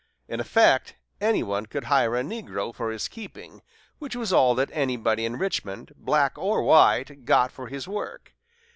In effect, any one could hire a negro for his keeping which was all that anybody in Richmond, black or white, got for his work.